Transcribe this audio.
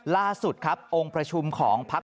ล่าสุดครับองค์ประชุมของพัก